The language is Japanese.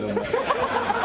「ハハハハ！」